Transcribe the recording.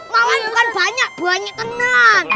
bukan banyak banyak banget